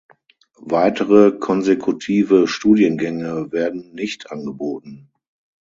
Weitere konsekutive Studiengänge werden nicht angeboten.